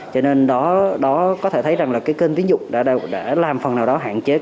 cho nên đó có thể thấy rằng kênh tín dụng đã làm phần nào đó hạn chế